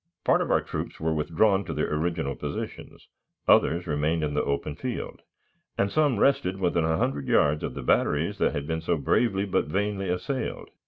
Part of our troops were withdrawn to their original positions; others remained in the open field; and some rested within a hundred yards of the batteries that had been so bravely but vainly assailed.